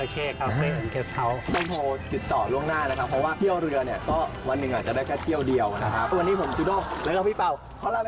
จับติดต่อได้อย่างไงบ้างครับ